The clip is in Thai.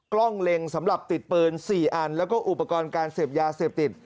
กล้องเล็งสำหรับติดปืน๔อันแล้วก็อุปกรณ์การเสพยาเสพติด